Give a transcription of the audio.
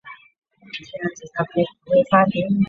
快车停靠的车站多数是端点站或主要转车点。